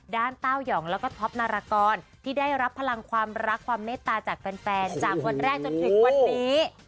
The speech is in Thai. เต้ายองแล้วก็ท็อปนารกรที่ได้รับพลังความรักความเมตตาจากแฟนจากวันแรกจนถึงวันนี้